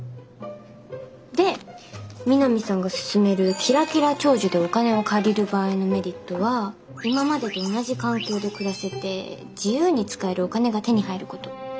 で美波さんが勧める「きらきら長寿」でお金を借りる場合のメリットは今までと同じ環境で暮らせて自由に使えるお金が手に入ること。